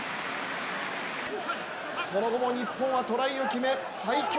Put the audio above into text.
その後も日本はトライを決め最強・